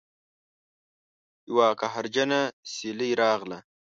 یوه قهرجنه سیلۍ راغله